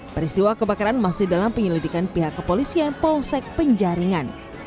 peristiwa kebakaran masih dalam penyelidikan pihak kepolisian polsek penjaringan